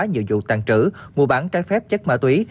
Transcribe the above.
nhiều vụ tàn trữ mua bán trái phép chất ma túy